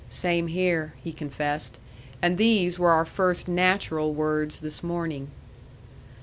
"Same here," he confessed. And these were our first natural words this morning.